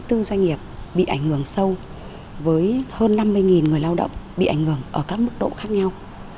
tư doanh nghiệp bị ảnh hưởng sâu với hơn năm mươi người lao động bị ảnh hưởng ở các mức độ khác nhau